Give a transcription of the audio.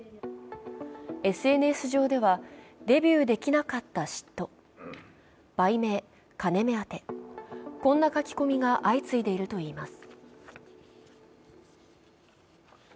ＳＮＳ上では、デビューできなかった嫉妬、売名・金目当て、こんな書き込みが相次いでいるといいます。